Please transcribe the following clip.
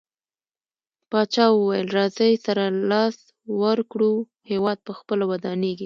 پاچاه وويل: راځٸ سره لاس ورکړو هيواد په خپله ودانيږي.